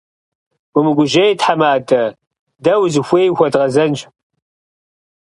Умыгужьей, тхьэмадэ, дэ узыхуей ухуэдгъэзэнщ.